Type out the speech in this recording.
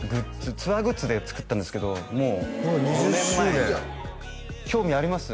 ツアーグッズで作ったんですけどもう４年前に２０周年興味あります？